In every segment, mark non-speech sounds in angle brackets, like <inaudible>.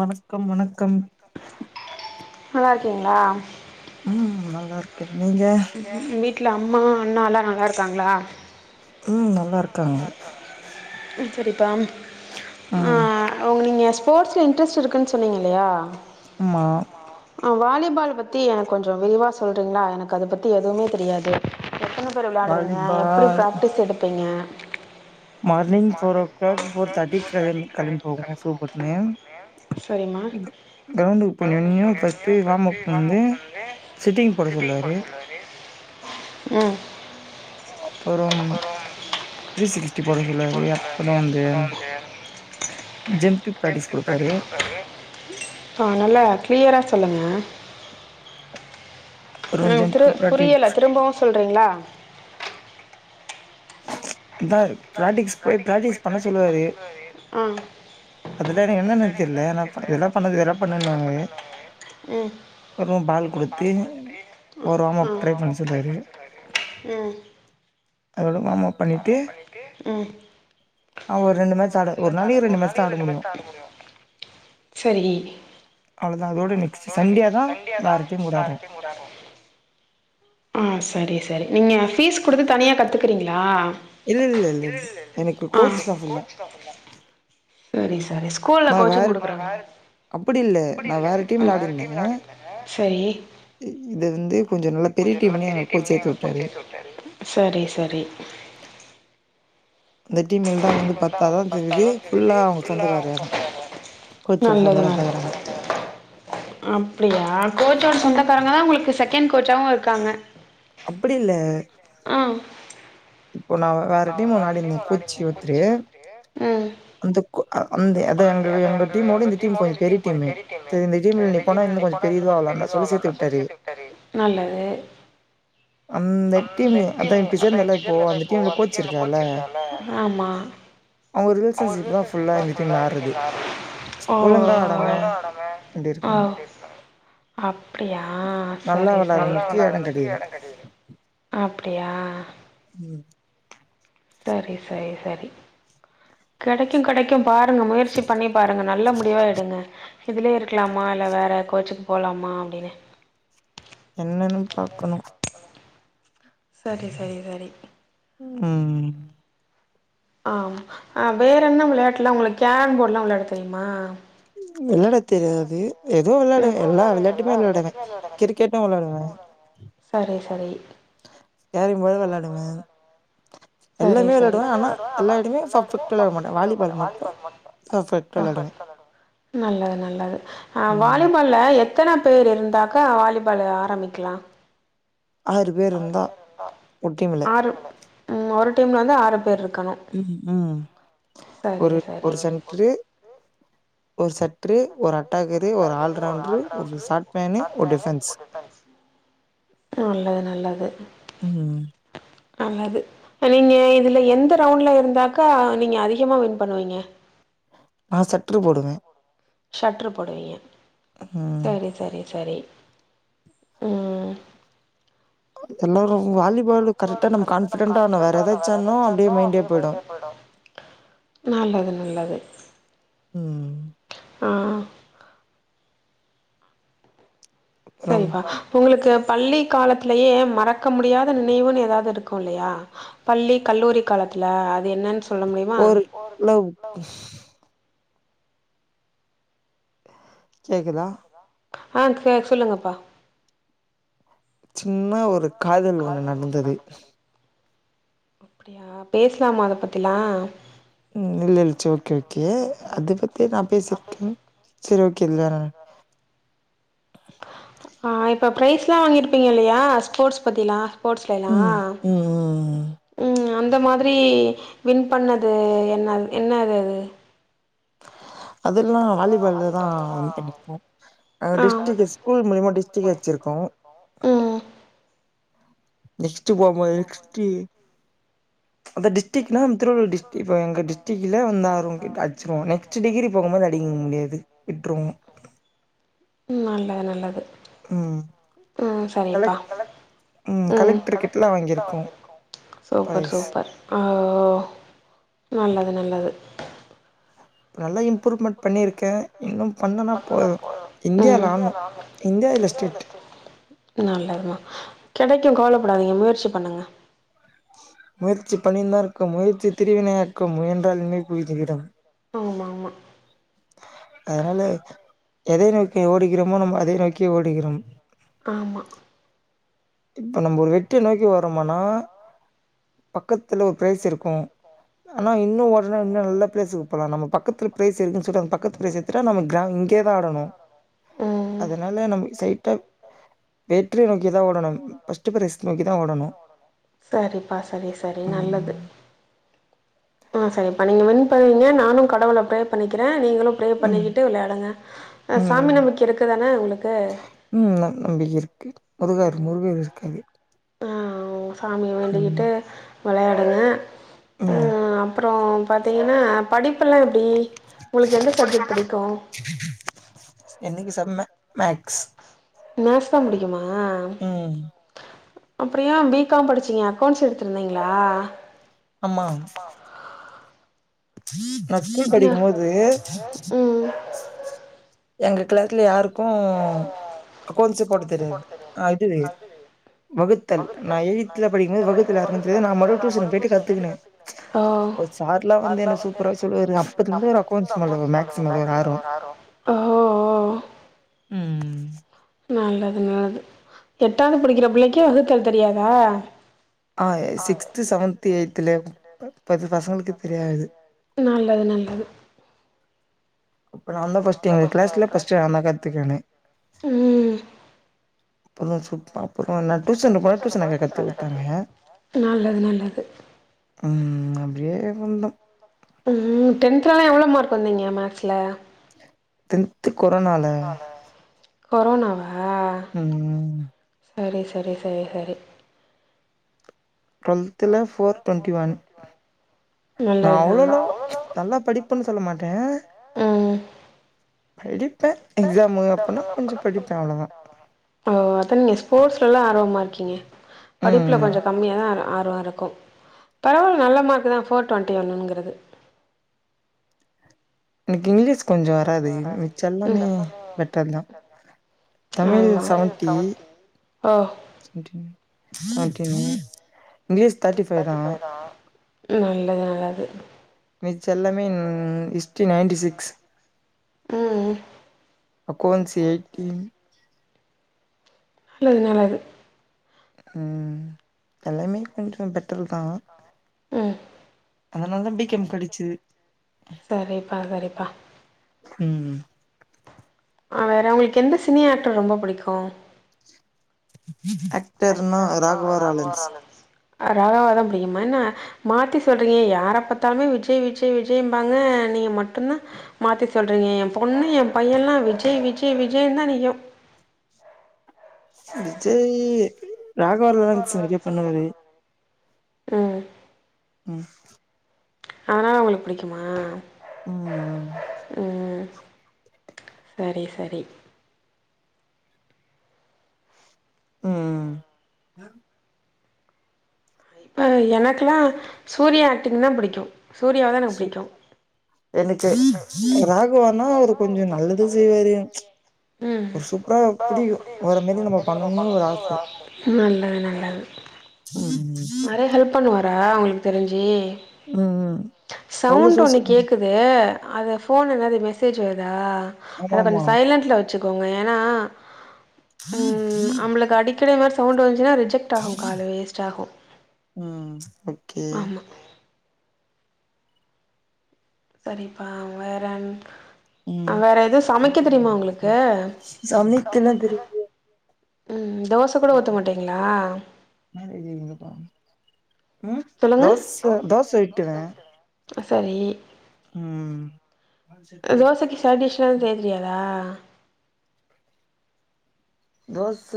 வணக்கம் வணக்கம் நல்லா இருக்கீங்களா ம் நல்லா இருக்கே நீங்க வீடால அம்மா அண்ணா எல்லா நல்லாருக்காங்ளா ம் நல்லா இருக்கு ம் செரிப்பா ஆ நீங்க ஸ்போ்ட்ஸ்ல இன்ட்ரெஸ்ட்டு இருக்குனு சொன்னிங்கல்லையா ஆம்மா ஆ வாலிபால் பத்தி எனக்கு கொஞ்ச விரிவா சொல்றீங்களா எனக்கு அத பத்தி எதுவுமே தெரியாது எத்தன பேர் விளாடுவீங்க எப்டி ப்ராக்டிஸ் எடுப்பீங்க morning four o'clock four thirty கிளம்பி போகோம் சூப்பர்னு <unintelligible> கொஞ்ச <unintelligible> வாம்அப் பண்டு சிட்டிங் போட சொல்வாரு ம் அப்புறம் த்ரீ சிக்ஸ்டி போட சொல்லுவாரு அப்புறோ வந்து ஜெம்ப்ட்டு பிரா்க்டீஸ் குடுப்பாரு ஆ நல்லா கிளியரா சொல்லுங்க ம் திரு புரியலை திரும்பவு சொல்றீங்ளா <unintelligible> ப்ராக்டீஸ்க்கு போயி ப்ராக்டிஸ் பண்ண சொல்லுவாரு அதுல என்னன்னு தெர்ல ஆனா பண் இதெல்லா பண்ணது இதெல்லா பண்ணனுவாங்க ம் அப்புறோ பால் குடுத்து ஒர் ஓரமா ப்ளே பண்ண சொல்றாரு அதேட வாம்அப் வாம்அப் பண்ணிட்டு அவங்க ஒரு இரண்டு மேட்ச் ஆடு ஒரு நாளைக் ஒரு ரெண்டு மேட்ச் தா ஆட முடியு செரி அவ்வளவுதா அது அவுங்கவுங்களோட <unintelligible> சண்டோ ஆனா வேற டீமோட ஆடுவோ ஆ சரி சரி நீங்க ஃபீஸ் குடுத்து தனியா கத்துக்குறீங்ளா இல்ல இல்ல இல்ல கோச்சுதா போறோ சரி சரி ஸ்கூல்ல கோச்சிங் குடுக்குறாங்க அப்டி இல்ல நா வேற டீம்ல ஆடிட்டு இருந்தங்க இது வந்து கொஞ்ச நல்லா பெரிய டீம்னே அங்க கோச் சேத்து வுட்டாரு சரி சரி இந்த டீம்ல தான் வந்து பாத்தாதா தெரியுது ஃபுல்லா அவங்க சொந்தக்காரதா கோச் சோட சொந்தக்கத்தாக்கறாங்க அப்டியா கோச்சோட சொந்தக்காரங்க தான் உங்களுக்கு செகண்ட் கோச்சாவு இருக்காங்க அப்டி இல்ல அ இப்போ நான் வேற டீம் வெளையாடிட்டு இருந்தே கோச் ஒருத்தரு அந்த கோ அ அந்த எங்க எங்க டீமோட இந்த டீம் கொஞ்சோ பெரிய டீமே இந்த டீம்ல டீம்ல நீ போனா இன்னு கொஞ்சோ தொளிவா வெளையாடலா சொல்லி சேத்து விட்டாரு நல்லது அந்த டீம்ல அத இப்ப சேர்ந்த எல்லாம் இப்போ அந்த டீம்ல கோ எங்க கோச் இருக்காரு இல்ல ஆமா அவங்க ரிலேஷன்ஷிப் தா ஃபுல்லா இந்த டீம்ல ஆடுறது ச் ஒழுங்கா ஆடாம அப்டி இருக்காங்க அப்டியா சரி சரி <unintelligible> அப்டியா ம் சரி சரி சரி கெடைக்கும் கெடைக்கும் பாருங்க முயற்சி பண்ணி பாருங்க நல்ல முடிவா எடுங்க இதுலயே இருக்கலாமா இல்ல வேறு கோச்சுக்கு போகலாமா அப்டின்னு என்னன்னு பாக்கணும் சரி சரி சரி ம்ம் அ வேற என்ன விளையாட்டுலா உங்களுக்கு கேரம் போர்ட் எல்லா வெளையாட தெரியுமா வெளாட தெரியாது எதுவு வெளாடுவே எல்லா வெளாட்டுமே வெளாடுவே கிரிக்கெட்டும் வெளாடுவே சரி சரி <unintelligible> வெளாடுவே எல்லாமே வெளாடுவே <unintelligible> ஆனா வாலிபால் மட்டு பர்ஃபெக்ட்டா வெளாடுவே நல்லது நல்லது அ வாலிபால் இல்ல எத்தனப் பேர் இருந்தாக்கா வாலிபாலு ஆரம்பிக்கலா ஆறு ம் ஒரு டீம்ல வந்து ஆறு பேர் இருக்கனு <unintelligible> ஒரு ஒரு சென் ட்ரு ஒரு சட்ரு ஒரு அட் டாக்கரு ஒரு ஆல்ரவுண்ட்ரு ஒரு ஷாட்பேனு ஒரு டிஃபென்ஸ் நல்லது நல்லது நல்லது சரிங்க இதுல எந்த ரவுண்ட்ல இருந்தாக்கா நீங்க அதிகமா வின் பண்ணுவீங்க நா சட்ரு போடுவே ஷட்ரு போடுவீங்க சரி சரி சரி ம் <unintelligible> வாலி வாலிபாலு கரெக்ட்டா நம்ம கான்ஃபிடன்ட்டா ஆன்னோ வேற எதாச்சு ஆன்னோ அப்டியே மைண்டே போயிடோ நல்லது நல்லது ம் அ சரிப்பா உங்களுக்கு பள்ளி காலத்லயே மறக்க முடியாத நினைவுன்னு ஏதாவது இருக்கு இல்லையா பள்ளிக் கல்லூரி காலத்துல அது என்னன்னு சொ ஒரு லவ் கேக்குதா ஆ கே சொல்லுங்கப்பா சின்ன ஒரு காதல் ஒண்ணு நடந்தது அப்டியா பேசலாமா அதப் பத்திலா ம் இல்ல இல்ல ச்ச ஓகே ஓகே அதப் பத்தி நா பேசிருக்க சரி ஓகே இது வேணா ஆ இப்ப ப்ரைஸ்ல்லா வாங்கிருப்பீங்க இல்லயா ஸ்போர்ட்ஸ் பத்திலா ஸ்போர்ட்ஸ்லேல்லா ம் அந்த மாதிரி வின் பண்ணது என்ன என்னது அது அதுல்லா வாலிபால்ல தா வின் பண்ணிருக்கோ டிஸ்ட்டிக் ஸ் ஸ்கூல் மூலியமா டிஸ்டிக் அச்சிருக்கோ நெக்ஸ்ட்டு போம்போது டிஸ்டி அந்த டிஸ்டிக்னா திருவள்ளூர் டிஸ்ட் இப்போ எங்க டிஸ்டிக்கில வந்து ஆறோவுங்கிட்ட அச்சுருவோ நெக்ஸ்ட்டு டிகிரி போகும்போது அடிக்க முடியாது விட்டுருவோ ம் நல்லது நல்லது ம் கலெக்ட் ம் கலெக்ட்ரு கிட்டல்லா வாங்கியிருக்கோ சூப்பர் சூப்பர் அ ஓ ஓ நல்லது நல்லது நல்ல இம்ப்ரூவ்மெண்ட் பண்ணியிருக்க இன்னோ பண்ணனா போவ இந்தியா நானு இந்தியால ஸ்டேட் நல்லதுமா கெடைக்கோ கவலப்படாதீங்க முயற்சி பண்ணுங்க முயற்சி பணிந்தா இருக்க முயற்சி திருவினையாக்கும் முயன்றால் இம்மை புகுத்திவிடும் ஆமா ஆமா அதனால எதை நோக்கி ஓடுகிறோமோ நம்ம அதை நோக்கியே ஓடுகிறோம் ஆமா இப்ப நம்ம ஒரு வெற்றிய நோக்கி ஓறோம் ஆனா பக்கத்துல ஒரு பிரைஸ் இருக்கு ஆனா இன்னு ஒட்னா இன்னு நல்லா ப்ளேசுக்கு போலா நம்ம பக்கத்துல பிரைஸ் இருக்குன்னு சொல்ட்டு அந்த பக்கத்து பிளேஸ எத்துட்டா நம்ம கிராங் இங்கேதா ஆடனு அதனால நம்ம ஸ்டெயிட்டா வெற்றிய நோக்கிதா ஓடனும் ஃபர்ஸ்ட்டு பிரைஸ் நோக்கி தா ஓ சரிப்பா சரி சரி நல்லது ஆ சரிப்பா நீங்க வின் பன்னுங்க நானு கடவுள ப்ரே பண்ணிக்குற நீங்களு ப்ரே பண்ணிக்கிட்டு விளையாடுங்க அ சாமி நம்பிக்க இருக்கு தான உங்களுக்கு ம் நம் நம்பிக்க இருக்கு முருகார் முருகர் இருக்காரு அ ஓ சாமிய வேண்டிக்கிட்டு வெளையாடுங்க அ அப் அப்றோ பாத்திங்கன்னா படிப்புல்லா எப்படி உங்களுக்கு எந்த சப்ஜெக்ட் புடிக்கு எனக்கு சம்மு மேக்ஸ் மேக்ஸ் தா புடிக்குமா அப்பறோ ஏ பி கம் படிச்சீங்க அக்கௌண்ட்ஸ் எடுத்திருந்தீங்களா ஆமா நா ஸ்கூல் படிக்கும்போது எங்க கிளாஸ்ல யாருக்கு அக்கவுண்ட்ஸே போட தெரியாது ஆ இது வகுத்தல் நா எயி்த்ல படிக்கும் போது வகுத்தல்லு யாருக்கு தெரியா நா மட்டு டியூசன் போயிட்டு கத்துக்கன அப்போ சார்லா வந்து எனக் சூப்பரா சொல்லுவாரு அப்போதுல்லருந்து ஒரு அக்கௌண்ட்ஸ் மேல மேக்ஸ் மேல ஒரு ஆர் ம் ம் நல்லது நல்லது எட்டாவது படிக்கிற பிள்ளைக்கே வகுத்தல் தெரியாதா ஆ சிக்ஸ்த்து செவன்த் எய்த்துலே இப்ப இருக்க பசங்களுக்கு நல்லது நல்லது இப்ப நான்தா ஃபர்ஸ்ட்டு எங்க கிளாஸ்லே ஃபர்ஸ்ட்டு நான்தா க த்துக்குவனே <unintelligible> அப்புற நான் டூசன் போன டூசன் அக்கா கத்து குடுத்தாங்க ம் அப்டியே வந்தோ ம் டென்த்லலா எவ்வளோ மார்க் வந்தீங்க மேக்ஸ்ல டென்த் கொரோனால கொரோனாவா ம் சரி சரி சரி சரி டடொல்த்துல ஃபோர் டுவெட்டி ஒன் நா அவ்வளோ லவ் நல்லா படிப்பேன்னு சொல்ல மாட்டே படிப்பே எக்ஸாமு அப்பன்னா கொஞ்ச படிப்பே அவ்வளோதா ஓ அதா நீங்க ஸ்போர்ட்ஸ்ல எல்லா ஆர்வமா இருக்கீங்க படிப்பில கொஞ்ச கம்மியா தா ஆர்வ இருக்கு பரவால்ல நல்ல மார்க தா ஃபோர் டுவெண்டி ஒன்னுங்கிறது எனக்கு இங்கிலீஷ் கொஞ்ச வராது மிச்ச எல்லாமே பெட்டர் தா தமிழ் செவன்டி ஓகேங்க ஓகேங்க நல்லது நல்லது மிச்ச எல்லாமே ஹிஸ்ட்ரி நைன்டி சிக்ஸ் ம் அக்கவுண்ட்ஸ் எய்ட்டின் நல்லது நல்லது ம் எல்லாமே கொஞ்ச பெட்டல்தா ம் அதனால தா பீக்கம் படிச்சது ம் ஆ வேற உங்களுக்கு எந்த சினி ஆக்டர் ரொம்ப பிடிக்கு ஆக்டர்னா ராகவா ராலன்ஸ் ராகவாதா பிடிக்குமா என்ன மாத்தி சொல்றீங்க யார பாத்தாலுமே விஜய் விஜய் விஜய்ம்பாங்க நீங்க மட்டுந்தா மாத்தி சொல்றீங்க என் பொண்ணு என் பையன்ல்லா விஜய் விஜய் விஜய்ன்னு தா நிக்கு விஜய் ராகவா லாரன்ஸ் நறைய பண்ணுவாரு ம் ம் அதனால உங்களுக்கு பிடிக்குமா ம் சரி சரி ம் ஆ எனக்குலா சூரியா ஆக்டிங் தா புடிக்கு சூர்யாவ தா எனக்கு புடிக்கு எனக்கு ராகவானா அவர் கொஞ்சோ நல்லது செய்வாரு ஒரு சூப்பரா புடிக்கு அவர மாதிரி நம்ம பண்ணணுனு ஒரு ஆச ம் நல்லா ஹெல்ப் பண்ணுவாரா உங்களுக்கு தெரிஞ்சி சவுண்ட் ஒன்னு கேக்குது அது அது ஃபோன் என்னது மெசேஜ் வருதா அத கொஞ்ச சைலன்ட்ல வச் வச்சிக்கோங்க ஏன்னா நம்மளுக்கு அடிக்கடி இது மாரி சவுண்ட் வந்துச்சுன்னா ரிஜெக்ட் ஆகும் காலு வேஸ்ட் ஆகும் உம் ஆமா சரிப்பா வறேன் அ வேற எதுவு சமைக்க தெரியுமா உங்களுக்கு ம் தோச கூட ஊத்த மாட்டீங்களா உம் தோச தோச வெட்டுவ சரி உம் தோசைக்கு சைட்டிஷ்லா செய்ய தெரியாதா தோச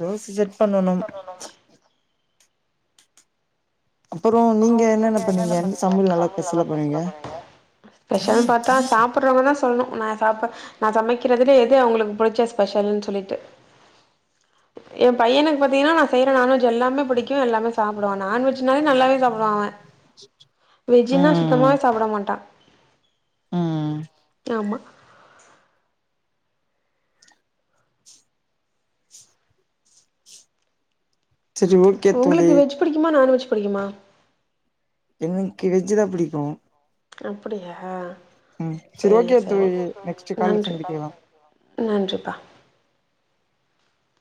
தோச செட் பண்ணனும் அப்புறம் நீங்க என்னென்ன பண்ணுவீங்க சமையல் நல்லா பெஷல்லா பண்ணுவீங்க ஸ்பெஷல்னு பாத்தா சாப்புட்றவங்க தா சொல்லணும் நா சாப்ப நா சமைக்கிறதுலே எது அவுங்களுக்கு புடிச்ச ஸ்பெஷல்ன்னு சொல்லிட்டு என் பையனுக்கு பாத்தீங்கன்னா நா செய்யற நான்வெஜ் எல்லாமே புடிக்கும் எல்லாமே சாப்டுவான் நான்வெஜ் ஜ்னாலே நல்லாவே சாப்பிடுவா அவன் வெஜ்னா சுத்தமாவே சாப்ட மாட்டான் ஆ ஆமா சரி ஓக் உங்களுக்கு வெஜ் பிடிக்குமா நான்வெஜ் பிடிக்குமா எனக்கு வெஜ்ஜி தா பிடிக்கும் அப்டியா சேரி சேரி நன்றி நன்றிப்பா